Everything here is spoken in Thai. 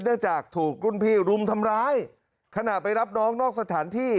จากถูกรุ่นพี่รุมทำร้ายขณะไปรับน้องนอกสถานที่